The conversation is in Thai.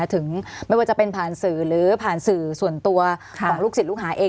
ถึงไม่ว่าจะเป็นผ่านสื่อหรือผ่านสื่อส่วนตัวของลูกศิษย์ลูกหาเอง